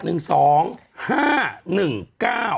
เอ้า๘๑๒๕๑๙